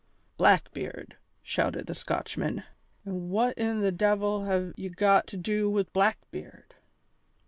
"Blackbeard!" shouted the Scotchman, "an' what in the de'il have ye got to do wi' Blackbeard?"